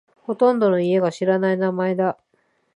ほとんどの家が知らない名前だ。